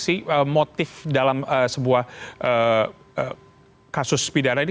si motif dalam sebuah kasus pidara ini